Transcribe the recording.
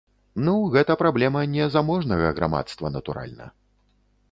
Ну, гэта праблема не заможнага грамадства, натуральна.